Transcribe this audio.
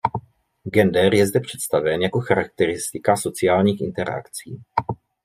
Gender je zde představen jako charakteristika sociálních interakcí.